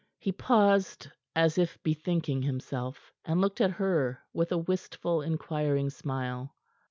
He paused, as if bethinking himself, and looked at her with a wistful, inquiring smile.